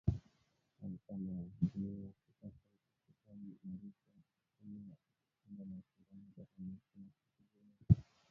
mwanachama wa Jumuiya ya Afrika Mashariki kutaimarisha uchumi wa kikanda na ushindani barani huko na kote duniani.